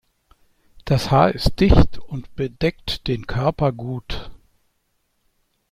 Das Haar ist dicht und bedeckt den Körper gut.